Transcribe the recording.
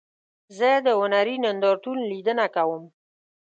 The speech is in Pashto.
زه د هنري نندارتون لیدنه کوم.